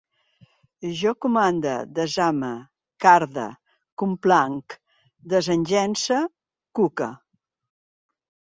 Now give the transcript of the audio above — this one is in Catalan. Jo comande, desame, carde, complanc, desagence, cuque